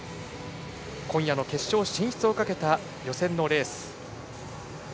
今夜の決勝進出をかけた予選のレース。